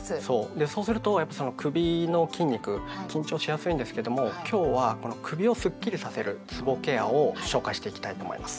でそうすると首の筋肉緊張しやすいんですけども今日は首をスッキリさせるつぼケアを紹介していきたいと思います。